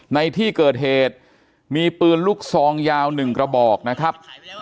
ในที่เกิดเหตุมีปืนลูกซองยาว๑กระบอกนะครับ